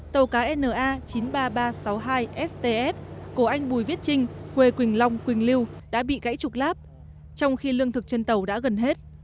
tàu cá na chín mươi ba nghìn ba trăm sáu mươi hai stf của anh bùi viết trinh quê quỳnh long quỳnh lưu đã bị gãy trục láp trong khi lương thực trên tàu đã gần hết